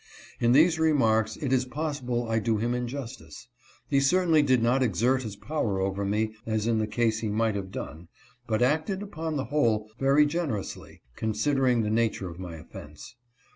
In these remarks it is possible I do him injustice. He certainly did not exert his power over me as in the case he might have done, but acted, upon the whole, very generously, considering the nature of my offense.